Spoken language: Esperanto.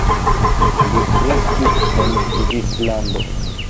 Li kreskis en Svislando.